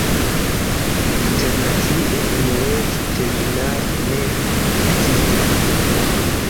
Internacie unueca terminaro ne ekzistas.